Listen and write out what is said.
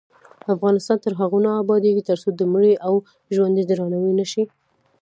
افغانستان تر هغو نه ابادیږي، ترڅو د مړي او ژوندي درناوی ونشي.